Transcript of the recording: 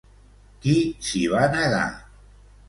Qui s'hi va negar?